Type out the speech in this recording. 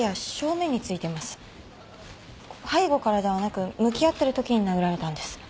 背後からではなく向き合ってるときに殴られたんです。